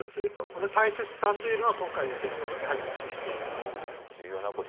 この大切さというのは、今回の戦争がやはり示しているんだと思います。